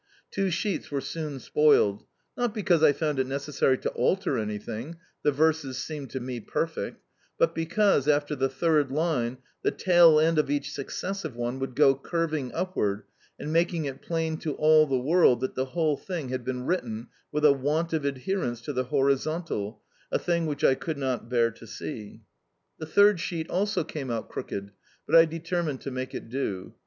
Two sheets were soon spoiled not because I found it necessary to alter anything (the verses seemed to me perfect), but because, after the third line, the tail end of each successive one would go curving upward and making it plain to all the world that the whole thing had been written with a want of adherence to the horizontal a thing which I could not bear to see. The third sheet also came out crooked, but I determined to make it do.